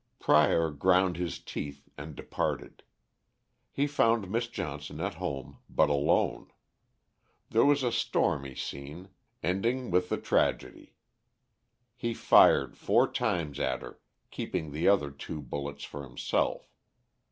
Prior ground his teeth and departed. He found Miss Johnson at home, but alone. There was a stormy scene, ending with the tragedy. He fired four times at her, keeping the other two bullets for himself.